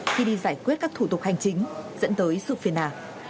khi đi giải quyết các thủ tục hành chính dẫn tới sự phiền hà